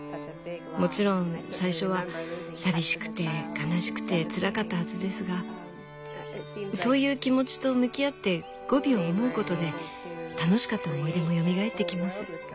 もちろん最初は寂しくて悲しくてつらかったはずですがそういう気持ちと向き合ってゴビを思うことで楽しかった思い出もよみがえってきます。